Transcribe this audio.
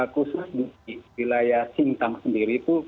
khusus di wilayah sintang sendiri itu